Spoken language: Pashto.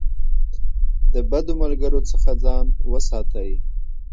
د بدو ملګرو څخه ځان وساتئ.